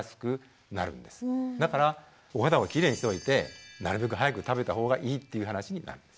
だからお肌をきれいにしておいてなるべく早く食べた方がいいっていう話になるんです。